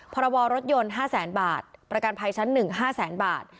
พรรร๕๐๐๐๐๐บาทประกันภัยชั้น๑๕๐๐๐๐๐บาท